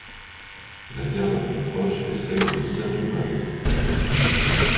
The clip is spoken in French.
La gare la plus proche est celle de Satu Mare.